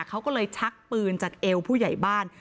เขาก็เลยชักปืนจากเอวผู้ใหญ่บ้าน